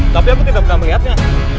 tapi aku tidak pernah melihatnya